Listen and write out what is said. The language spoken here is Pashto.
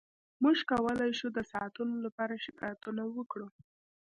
موږ کولی شو د ساعتونو لپاره شکایتونه وکړو